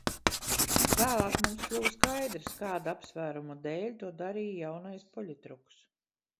Vēlāk mums kļuva skaidrs, kāda apsvēruma dēļ to darīja jaunais poļitruks.